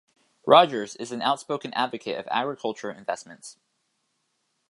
Rogers is an outspoken advocate of agriculture investments.